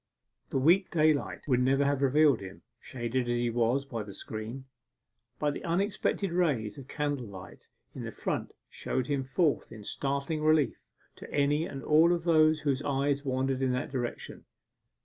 The weak daylight would never have revealed him, shaded as he was by the screen; but the unexpected rays of candle light in the front showed him forth in startling relief to any and all of those whose eyes wandered in that direction.